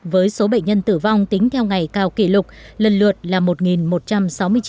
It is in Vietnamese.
với số bệnh nhân tử vong tính theo ngày cao kỷ lục lần lượt là một một trăm sáu mươi chín người